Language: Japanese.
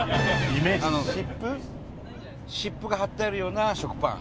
湿布が貼ってあるような食パン。